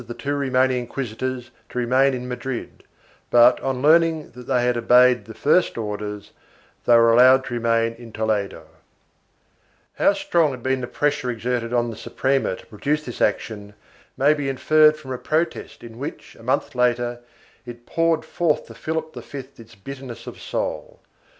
10, n. 2, fol. 178. CHAP. IV] CURTAILMENT OF PRIVILEGES 515 two remaining inquisitors to report in Madrid but, on learning that they had obeyed the first orders, they were allowed to remain in Toledo. How strong had been the pressure exerted on the Suprema to produce this action may be inferred from a protest in which, a month later, it poured forth to Philip V its bitterness of soul.